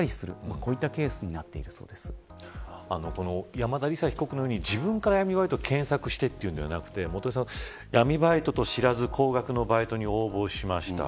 山田李沙被告のように自分から闇バイトを検索するのではなく闇バイトと知らずに高額のバイトに応募しました。